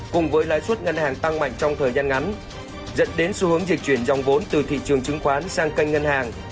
cùng với lãi suất ngân hàng tăng mạnh trong thời gian ngắn dẫn đến xu hướng dịch chuyển dòng vốn từ thị trường chứng khoán sang kênh ngân hàng